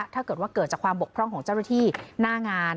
ถ้าเกิดว่าเกิดจากความบกพร่องของเจ้าหน้าที่หน้างาน